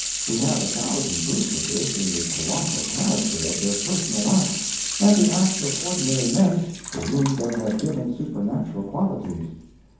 We have a thousand proofs of this in the colossal character of their personal acts and the acts of ordinary men to whom they have given supernatural qualities.